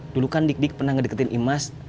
dulu kan dik dik pernah ngedeketin imas